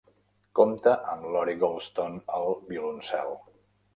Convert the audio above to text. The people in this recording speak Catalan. Compta amb Lori Goldston al violoncel.